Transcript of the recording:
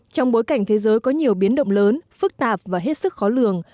trong bối cảnh thế giới có nhiều biến động lớn phức tạp và hết sức khó lường